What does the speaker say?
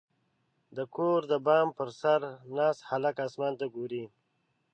• د کور د بام پر سر ناست هلک اسمان ته ګوري.